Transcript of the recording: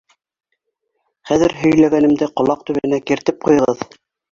— Хәҙер һөйләгәнемде ҡолаҡ төбөнә киртеп ҡуйығыҙ.